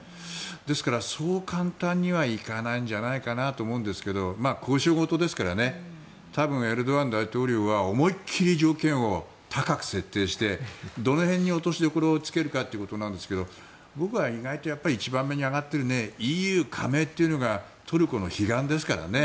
ですからそう簡単にはいかないんじゃないかなと思うんですけど交渉事ですからね多分、エルドアン大統領は思いっきり条件を高く設定してどの辺に落としどころをつけるかということなんですが僕は意外と１番目に上がっているＥＵ加盟というのがトルコの悲願ですからね。